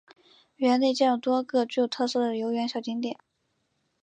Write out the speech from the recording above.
园内建有多个具有特色的游园小景点。